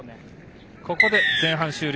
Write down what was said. ここで前半終了。